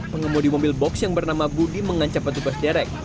pengemudi mobil box yang bernama budi mengancam petugas derek